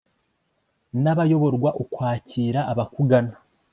n'abayoborwa, ukwakira abakugana